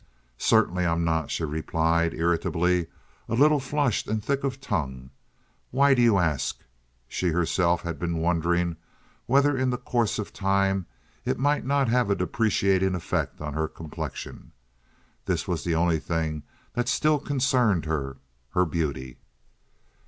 "Certainly I'm not," she replied, irritably, a little flushed and thick of tongue. "Why do you ask?" She herself had been wondering whether in the course of time it might not have a depreciating effect on her complexion. This was the only thing that still concerned her—her beauty.